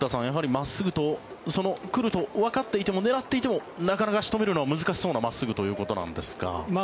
真っすぐと来るとわかっていても狙っていてもなかなか仕留めるのは難しそうな真っすぐということなんですか。